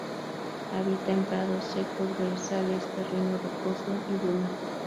Habita en prados secos, brezales, terreno rocoso y dunas.